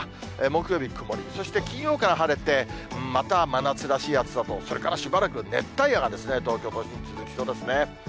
木曜日曇り、そして金曜から晴れて、また真夏らしい暑さと、それからしばらく熱帯夜が東京都心、続きそうですね。